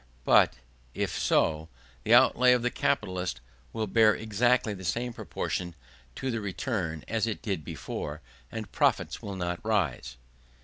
But, if so, the outlay of the capitalist will bear exactly the same proportion to the return as it did before; and profits will not rise.